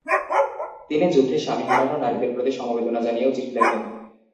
তিনি যুদ্ধে স্বামী হারানো নারীদের প্রতি সমবেদনা জানিয়েও চিঠি লেখেন।